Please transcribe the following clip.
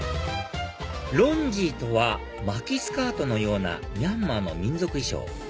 ロンジーとは巻きスカートのようなミャンマーの民族衣装